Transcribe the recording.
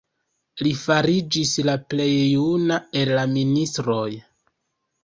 Li fariĝis la plej juna el la ministroj.